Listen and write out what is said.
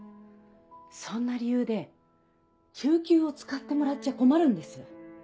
そんな理由で救急を使ってもらっちゃ困るんです。